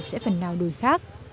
sẽ phần nào đổi khác